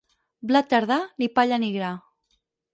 Blat tardà, ni palla ni gra.